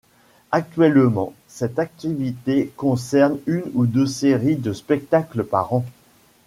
Actuellement, cette activité concerne une ou deux séries de spectacle par an.